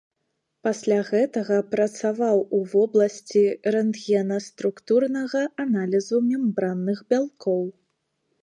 Пасля гэтага працаваў у вобласці рэнтгенаструктурнага аналізу мембранных бялкоў.